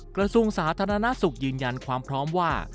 กระทรวงสาธารณสุขยืนยันความพร้อมว่า